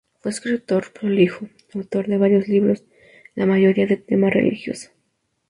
Fue un escritor prolijo, autor de varios libros, la mayoría de tema religioso.